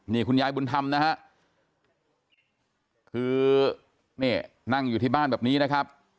นี่คุณยายบุญธรรมนะฮะคือนี่นั่งอยู่ที่บ้านแบบนี้นะครับ